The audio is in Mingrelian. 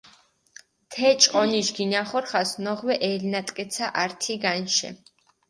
თე ჭყონიში გინახორხას ნოღვე ელნატკეცა ართი განიშე.